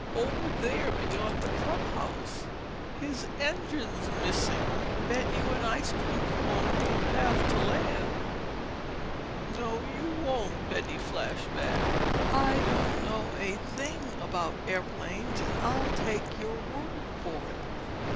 Over there beyond the club house. His engine's missing. Bet you an ice cream cone he'll have to land!" "No, you won't," Betty flashed back. "I don't know a thing about airplanes, and I'll take your word for it.